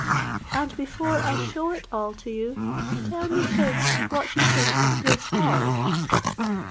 And before I shew it all to you, tell me first what you think of this hall."